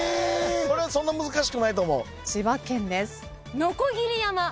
これはそんな難しくないと思う。